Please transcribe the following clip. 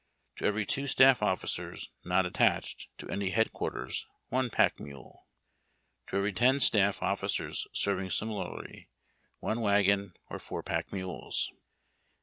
To every 2 staff officers not attached to any Head Quarters, 1 pack mule. To every 10 staff officers serving similarly, 1 wagon or 4 pack mules.